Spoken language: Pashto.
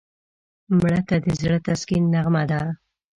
مړه ته د زړه تسکین نغمه ده